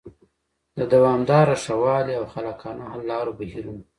د دوامداره ښه والي او خلاقانه حل لارو بهیرونه